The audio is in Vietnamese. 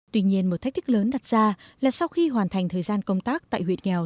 tuy nhiên một thách thức lớn đặt ra là sau khi hoàn thành thời gian công tác tại huyện nghèo